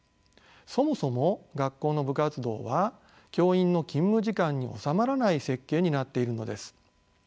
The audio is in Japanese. そもそも学校の部活動は教員の勤務時間に収まらない設計になっているのです。